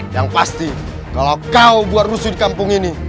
yang pasti kalau kau buat rusuh di kampung ini